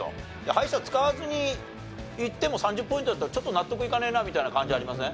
敗者使わずにいっても３０ポイントだったらちょっと納得いかねえなみたいな感じありません？